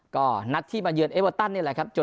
ก็นัดที่มาเยือนเอเวอร์ตันนี่แหละครับ